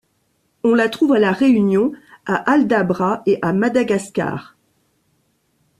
On la trouve à La Réunion, à Aldabra et à Madagascar.